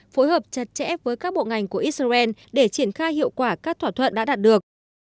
phối hợp chặt chẽ với các bộ ngành của israel để triển khai hiệu quả các thỏa thuận đã đạt được